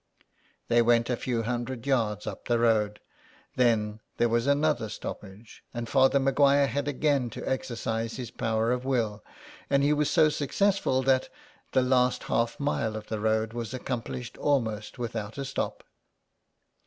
They went a few hundred yards up the road, then there was another stoppage, and Father Maguire had again to exercise his power of will, and he was so successful that the last half mile of the road was accomplished almost without a stop.